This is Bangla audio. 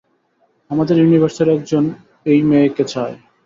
আমাদের ইউনিভার্সের একজন এই মেয়েকে চায়।